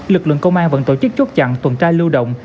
lực lượng công an vẫn tổ chức chốt chặn tuần tra lưu động